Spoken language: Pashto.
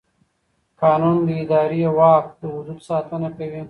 قانون د اداري واک د حدودو ساتنه کوي.